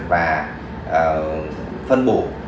và phân bổ